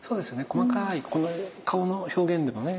細かい顔の表現でもね